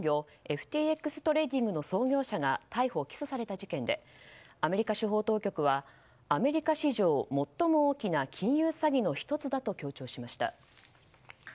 ＦＴＸトレーディングの創業者が逮捕・起訴された事件でアメリカ司法当局はアメリカ史上最も大きな金融詐欺の１つだと強調しました。